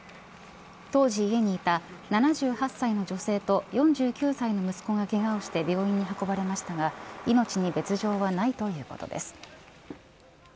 当時家にいた７８歳の女性と４９歳の息子がけがをして病院に運ばれましたが命に別条はないということです。